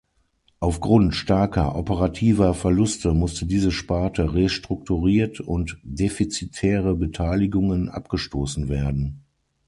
Aufgrund starker operativer Verluste musste diese Sparte restrukturiert und defizitäre Beteiligungen abgestoßen werden.